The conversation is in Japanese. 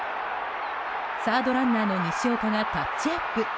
サードランナーの西岡がタッチアップ。